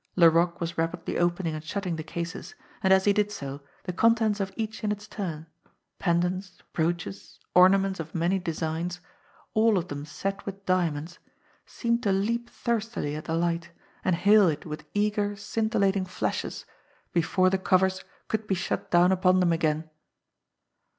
Laroque was rapidly opening and shutting the cases, and as he did so the contents of each in its turn, pendants, brooches, orna ments of many designs, all of them set with diamonds, seemed to leap thirstily at the light and hail it with eager THE GRAY SEAL 27 scintillating flashes before the covers could be shut down Mpon them again.